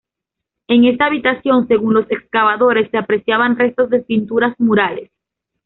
En esta habitación, según los excavadores, se apreciaban restos de pinturas murales.